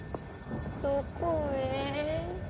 どこへ？